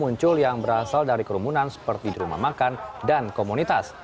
kota semarang juga mencari kerumunan seperti di rumah makan dan komunitas